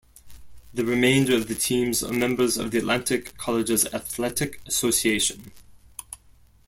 The remainder of the teams are members of the Atlantic Colleges Athletic Association.